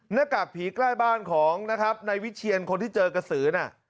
หน้ากากผีใกล้บ้านของนะครับในวิเชียนคนที่เจอกระสือน่ะ